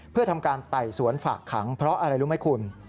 เพื่อทำการไต่สวนฝากขังเพราะอะไรรู้ไหมคุณ